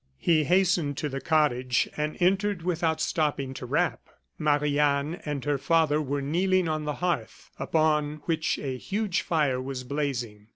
He hastened to the cottage and entered without stopping to rap. Marie Anne and her father were kneeling on the hearth, upon which a huge fire was blazing.